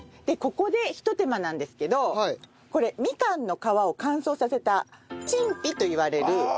でここでひと手間なんですけどこれみかんの皮を乾燥させた陳皮といわれる。